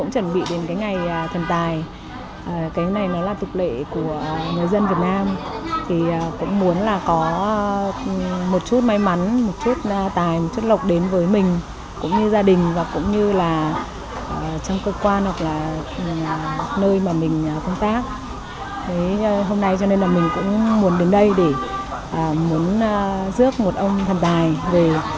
trong cơ quan hoặc là nơi mà mình công tác hôm nay cho nên là mình cũng muốn đến đây để muốn rước một ông thần tài về